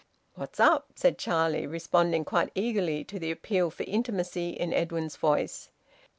"What's up?" said Charlie, responding quite eagerly to the appeal for intimacy in Edwin's voice.